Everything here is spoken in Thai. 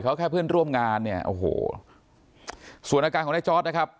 เขาแค่เพื่อนร่วมงานเนี่ยโอ้โหส่วนอาการของนายจอร์ดนะครับ